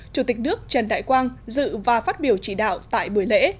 chủ tịch nước trần đại quang dự và phát biểu chỉ đạo tại buổi lễ